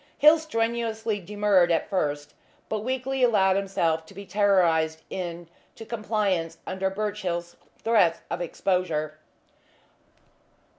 Hill strenuously demurred at first, but weakly allowed himself to be terrorised into compliance under Birchill's threats of exposure.